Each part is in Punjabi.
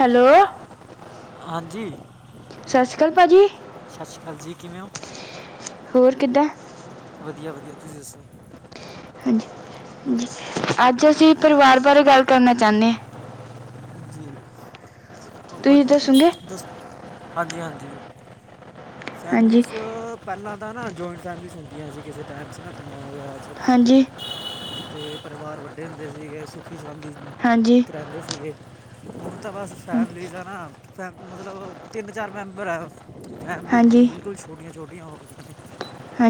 ਹੈਲੋ। ਹਾਂਜੀ, ਸਤਿ ਸ਼੍ਰੀ ਅਕਾਲ ਭਾਜੀ ਸਾਸ਼ੀ ਕਾਲ ਜੀ ਕਿਵੇਂ ਹੋ? ਹੋਰ ਕਿੱਦਾ? ਵਧੀਆ -ਵਧੀਆ ਤੁਸੀਂ ਦੱਸੋ? ਹਮ ਹਂ ਅੱਜ ਅਸੀਂ ਪਰਿਵਾਰ ਬਾਰੇ ਗੱਲ ਕਰਨਾ ਚਾਨੇ। ਜੀ ਤੁਸੀਂ [unintelligible] ਦੱਸੋਗੇ ਹਾਂਜੀ ਹਾਂਜੀ। ਹਾਂਜੀ ਫੈਮਲੀਸ ਪੈਲਾਂ ਤਾਂ ਨਾ ਜੋਅਆਂਏਟ ਫੈਮਲੀਸ ਹੋਂਦੀਆਂ ਸੀ ਕਿਸੇ ਟਾਈਮ ਚ ਨ [unintelligible] ਵਗੈਰਾ 'ਚ ਹਾਂਜੀ ਤੇ ਪਰਿਵਾਰ ਵੱਡੇ ਹੁੰਦੇ ਸੀਗੇ ਸੁਖੀ ਸਾਂਦੀ। ਹਾਂਜੀ ਰੈਂਦੇ ਸੀਗੇ। ਹੁਣ ਤਾਂ ਬਸ ਹਾਂਜੀ ਫੈਮਲੀਸ ਦਾ ਐ ਨਾ, ਫੈਮ ਮਤਲਬ ਤਿੰਨ, ਚਾਰ ਮੈਂਬਰ ਐ ਫੈਮਲੀ ਹਾਂਜੀ ਬਿਲਕੁਲ ਛੋਟੀਯਾਂ-ਛੋਟੀਯਾਂ ਹੋ ਗੀਆਂ ਨੇ-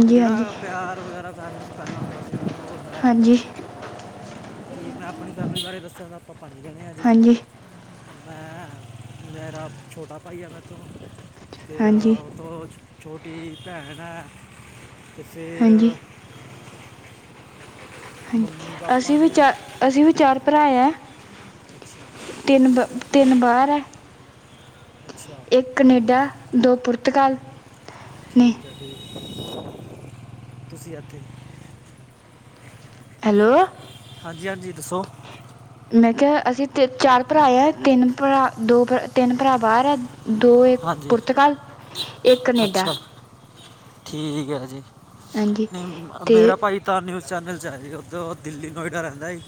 ਤੇ ਹਾਂਜੀ ਜੇੜਾ ਪਿਯਾਰ ਵਗੈਰਾ ਫੈਮਲੀ 'ਚ ਪੈਲਾ ਹੁੰਦਾ ਸੀ ਹੁਣ ਉਹ ਔ ਹੈ ਨੀ ਹਾਂਜੀ ਬਾਕੀ ਮੈ ਅਪਣੀ ਫੈਮਿਲੀ ਬਾਰੇ ਦੱਸਾਂ ਤੇ ਅਪਾ ਪੰਜ ਜਣੇ ਆ ਜੀ- ਹਾਂਜੀ ਮੈਂ ਮੇਰਾ ਛੋਟਾ ਭਾਈ ਹੈਗਾ ਤੋ [unintelligible] ਮੇਰਾ ਹਾਂਜੀ ਬੋਚ ਛੋਟੀ ਜੀ ਭੈਣ ਐ ਤੇ ਫੇਰ ਹਾਂਜੀ ਹਾਂਜੀ ਅਸੀ ਵੀ ਚਾਰ, ਅਸੀ ਵੀ ਚਾਰ ਭਰਾ ਯਾਂ। [unintelligible] ਤਿੰਨ ਬ ਤਿੰਨ ਬਰ ਐ ਅਛਾ। ਇਕ ਕਨੇਡਾ, ਦੋ ਪੁਰਤਗਾਲ- ਨੇ ਠੀਕ ਐ-ਠੀਕ ਐ ਤੁਸੀਂ ਇਥੇ- ਹੈਲੋ। ਹਾਂਜੀ- ਹਾਂਜੀ ਦੱਸੋ- ਮੈ ਕਿਆ ਅਸੀ ਚਾਰ ਭਰਾ ਆ ਤਿੰਨ ਭਰਾ ਦੋ ਤਿੰਨ ਭਰਾ ਬਾਹਰ ਆ। ਦੋ ਏ ਹਾਂਜੀ ਪੁਰਤਗਾਲ, ਇਕ ਕਨੇਡਾ। ਅੱਛਾ ਠੀਕ ਹੈ ਜੀ, ਹਾਂਜੀ ਨਹੀ ਅਤੇ ਮੇਰਾ ਭਾਈ- ਤਾਂ ਉਹ ਨਿਊਜ਼ ਚੈਨਲ 'ਚ ਆ ਜਾਦਾ ਉਹ ਦਿੱਲੀ ਨੋਇਡਾ ਰਹਿੰਦਾ ਏ।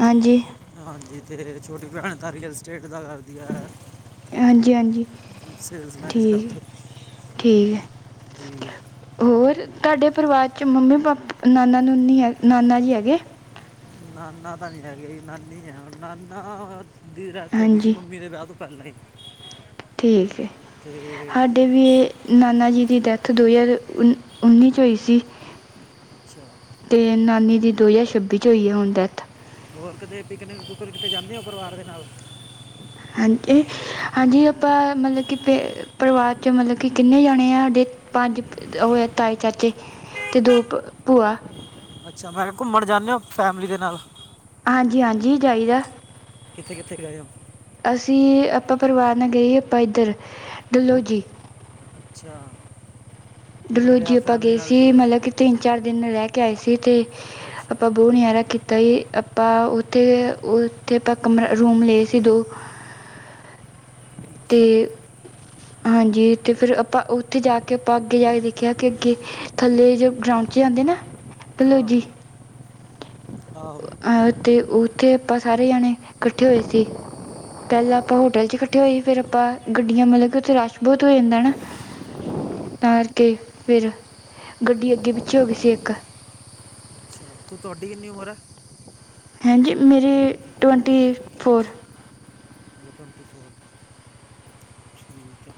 ਹਾਂਜੀ ਹਾਂਜੀ ਤੇ ਛੋਟੀ ਭੈਣ ਤਾਂ ਰੀਅਲ ਸਟੇਟ ਦਾ ਕਰਦੀ ਐ। ਹਾਂਜੀ-ਹਾਂਜੀ, ਸੇਲਸ ਮੈਨੇਜਰ ਠੀਕ, ਉੱਥੇ ਠੀਕ ਐ। [unintelligible] ਹੋਰ ਤੁਹਾਡੇ ਪਰਿਵਾਰ 'ਚ ਮੰਮੀ-ਪਾਪ ਨਾਨਾ-ਨਾਨੀ ਨਾਨਾ ਜੀ ਹੈਗੇ? ਨਾਨਾ ਤਾਂ ਨੀ ਹੈਗੇ ਨਾਨੀ ਹੈ ਨਾਨਾ- ਦੀ ਡੈਥ ਹੋ ਗਈ ਸੀ ਹਾਂਜੀ ਮੰਮੀ ਦੇ ਵਿਆਹ ਤੋ ਪਹਿਲਾ ਈ। ਠੀਕ ਏ। ਤੇ- ਵੀ ਇਹ ਨਾਨਾ ਜੀ ਦੀ ਡੈਥ ਦੋ ਹਜ਼ਾਰ ਉ ਉਨੀ 'ਚ ਹੋਈ ਸੀ। [unintelligible] ਤੇ ਨਾਨੀ ਦੀ ਦੋ ਹਜ਼ਾਰ ਛੱਬੀ 'ਚ ਹੋਈ ਹੁਣ ਡੈਥ। ਹੋਰ ਕਿਤੇ ਪਿਕਨਿਕ-ਪੁਕਨਿਕ ਤੇ ਜਾਦੇ ਹੋ ਪਰਿਵਾਰ ਦੇ ਨਾਲ? ਹਾਂ, ਹਾਂਜੀ ਆਪਾ ਮਤਲਬ ਕਿ ਪੇ- ਪਰਿਵਾਰ 'ਚ ਮਤਲਬ ਕਿ ਕਿੰਨੇ ਜਾਣੇ ਆ ਸਾਡੇ, ਪੰਜ ਉਹ ਹੈ ਤਾਏ-ਚਾਚੇ- ਅਤੇ ਦੋ ਭੂਆ। ਸਿਵਾਏ ਘੁੰਮਣ ਜਾਨੇ ਓ ਫੈਮਲੀ ਦੇ ਨਾਲ? ਹਾਂਜੀ-ਹਾਂਜੀ ਜਾਈਦਾ। ਕਿਥੇ-ਕਿਥੇ ਗਏ ਓ? ਅਸੀ ਆਪਾ ਪਰਿਵਾਰ ਨਾਲ ਗਏ ਸੀ ਆਪਾ ਇੱਧਰ, ਡਲੋਜੀ। ਅੱਛਾ। ਕਿਵੇਂ ਰਿਹਾ ਡਲੋਜੀ ਆਪਾ ਫੈਮਿਲੀ ਗਏ ਨਾਲ ਸੀ ਟੂਰ ਮਤਲਬ ਕਿ- ਤਿੰਨ-ਚਾਰ ਦਿਨ ਰਹਿ ਕੇ ਆਏ ਸੀ ਤੇ, ਅੱਛਾ ਆਪਾ ਬਹੁਤ ਨਜਾਰਾ ਕੀ ਤਾ ਸੀ ਆਪਾ ਉਥੇ ਉਥੇ ਆਪਾ ਕਮਰਾ ਰੂਮ ਲਏ ਸੀ ਦੋ। ਅੱਛਾ ਤੇ, ਹਾਂਜੀ ਅਤੇ ਫਿਰ ਆਪਾ ਉਥੇ ਜਾ ਕੇ ਆਪਾ ਅੱਗੇ ਜਾ ਕੇ ਦੇਖਿਆ ਕਿ ਅੱਗੇ ਥੱਲੇ ਜੋ ਗਰਾਊਡ 'ਚ ਜਾਂਦੇ ਨਾ ਡਲੋਜੀ- ਹਾਂ ਆਹੋ ਤੇ ਉਥੇ ਆਪਾਂ ਸਾਰੇ ਜਣੇ ਇੱਕਠੇ ਹੋਏ ਸੀ। ਪਹਿਲਾਂ ਆਪਾ ਹੋਟਲ 'ਚ ਇਕਠੇ ਹੋਏ ਸੀ ਫਿਰ ਆਪਾ ਗੱਡੀਆਂ ਮਤਲਬ ਕਿ ਉਥੇ ਰਸ਼ ਬਹੁਤ ਹੋ ਜਾਦਾ ਨਾ। ਤਾ ਕਰਕੇ ਫਿਰ, ਗੱਡੀ ਅੱਗੇ-ਪਿੱਛੇ ਹੋ ਗਈ ਸੀ ਇੱਕ। ਅੱਛਾ ਤੂੰ ਤੁਹਾਡੀ ਕਿਨੀ ਉਮਰ ਐ? ਹੈਂਜੀ ਮੇਰੀ ਟਵੈਂਟੀ ਫੋਰ। ਅੱਛਾ ਟਵੈਨਟੀ ਫੋਰ ਠੀਕ ਐ।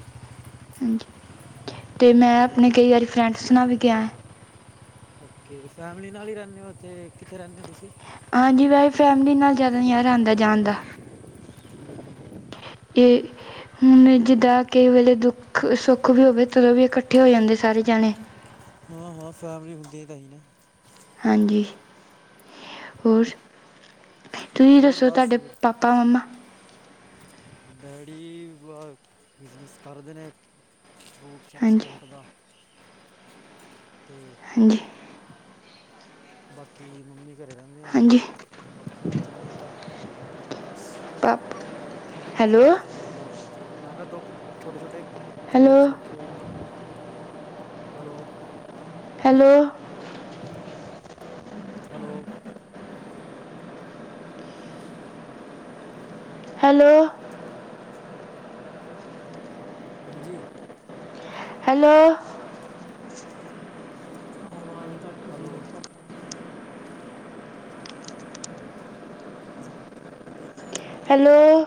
ਹਾਂਜੀ, ਤੇ ਮੈ ਆਪਣੇ ਜੀ ਕਈ ਵਾਰੀ ਫਰੈਡਸ ਨਾਲ ਵੀ ਗਿਆ। ਓਕੇ ਫੈਮਿਲੀ ਨਾਲ ਹੀ ਰਹਿੰਨੇ ਓ ਇੱਥੇ ਕਿੱਥੇ ਰਹਿੰਨੇ ਓ ਤੁਸੀਂ? ਹਾਂਜੀ ਵੈਸੇ ਫੈਮਿਲੀ ਨਾਲ ਜ਼ਿਆਦਾ ਨਜ਼ਾਰਾ ਆਂਦਾ ਜਾਣ ਦਾ। ਤੇ ਹੁਣ ਜਿੱਦਾਂ ਕਈ ਵੇਲੇ ਦੁੱਖ, ਸੁੱਖ ਵੀ ਹੋਵੇ ਤਦੋਂ ਵੀ ਇਕੱਠੇ ਹੋ ਜਾਂਦੇ ਸਾਰੇ ਜਾਣੇ। ਹਾਂ-ਹਾਂ ਫੈਮਿਲੀ ਹੁੰਦੀ ਆ ਤਾਂ ਹੀ ਨਾ। ਹਾਂਜੀ, ਹੋਰ, ਤੁਸੀਂ ਹੋਰ ਦੱਸੋ ਬਸ ਤੁਹਾਡੇ ਪਾ ਪਾ ਮੰਮਾ- ਡੈਡੀ, ਬ ਬਿਜ਼ਨਸ ਕਰਦੇ ਨੇ, ਫੂ ਹਾਂਜੀ ਚੈਕਸਪੋਰਟ ਦਾ ਅਤੇ ਹਾਂਜੀ ਬਾਕੀ ਮੰਮੀ ਘਰ ਰਹਿੰਦੇ ਆ ਹਾਂਜੀ ਬਾਕੀ ਚਲੀ ਜਾਂਦਾ ਬਸ ਪਾਪ ਕਿ ਹੈਲੋ ਫੈਮਲੀ ਚ ਦੋ ਡੋ ਮੈਂ ਕਿਹਾ ਦੋ ਕੁ ਛੋਟੇ ਛੋਟੇ ਹੈਲੋ ਡੋਗ ਆਖੇ ਨੇ ਹੈਲੋ। ਹੈਲੋ ਹੈਲੋ ਹੈਲੋ ਹਾਂਜੀ ਹੈਲੋ ਹੈਲੋ ਕੋੱਲ ਜਾਗਰ ਨੈੱਟ ਦਾ ਹੀ ਦਿੱਕਤ ਹੈ। [unintelligible] ਹੈਲੋ